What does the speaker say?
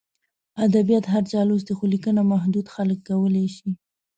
ادبیات هر چا لوستي، خو لیکنه محدود خلک کولای شي.